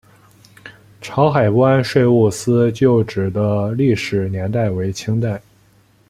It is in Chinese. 潮海关税务司旧址的历史年代为清代。